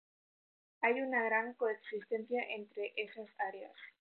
Hay una gran coexistencia entre esas áreas.